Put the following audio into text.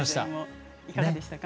いかがでしたか。